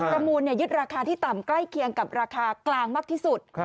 ประมูลยึดราคาที่ต่ำใกล้เคียงกับราคากลางมากที่สุด